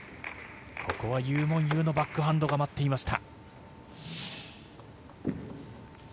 ここはユー・モンユーのバックハンドが待っていました。